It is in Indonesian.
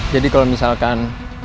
jadi kalau misalkan